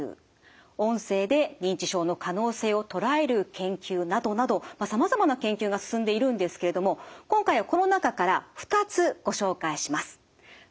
音声で認知症の可能性を捉える研究などなどさまざまな研究が進んでいるんですけれども今回はこの中から２つご紹介します。